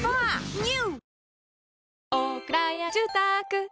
ＮＥＷ！